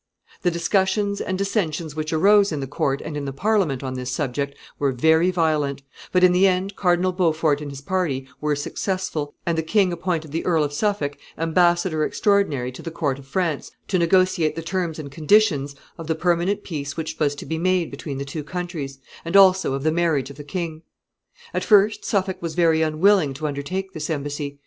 ] The discussions and dissensions which arose in the court and in Parliament on this subject were very violent; but in the end Cardinal Beaufort and his party were successful, and the king appointed the Earl of Suffolk embassador extraordinary to the court of France to negotiate the terms and conditions of the permanent peace which was to be made between the two countries, and also of the marriage of the king. At first Suffolk was very unwilling to undertake this embassy.